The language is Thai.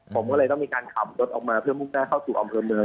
ผมก็เลยต้องมีการขับรถออกมาเพื่อมุ่งหน้าเข้าสู่อำเภอเมือง